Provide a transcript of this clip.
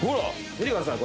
見てください